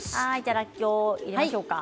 らっきょうを入れましょうか。